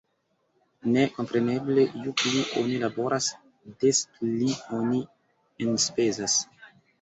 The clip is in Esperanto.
Ne. Kompreneble, ju pli oni laboras, des pli oni enspezas